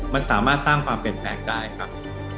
มันสามารถสร้างความเปลี่ยนแปลงได้ครับ